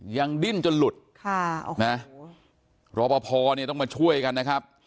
ยังดิ้นจนหลุดค่ะโอ้โหรอบอพอเนี้ยต้องมาช่วยกันนะครับ